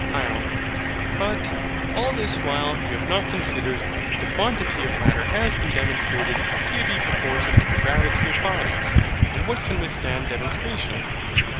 HYL. But, all this while you have not considered that the quantity of Matter has been demonstrated to be proportioned to the gravity of bodies. And what can withstand demonstration?